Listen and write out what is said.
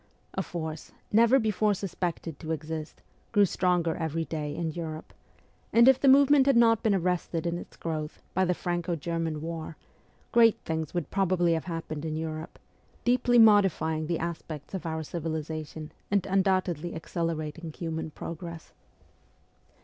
A force, never before sus pected to exist, grew stronger every day in Europe ; and if the movement had not been arrested in its growth by the Franco German war, great things would probably have happened in Europe, deeply modifying the aspects of our civilization, and undoubtedly accelerating human progress.